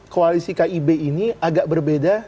koalisi kib ini agak berbeda